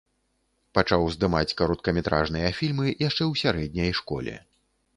Пачаў здымаць кароткаметражныя фільмы яшчэ ў сярэдняй школе.